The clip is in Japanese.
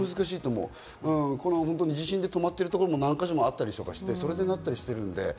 地震で止まっているところも何か所もあったりして、それでなったりしてるんで。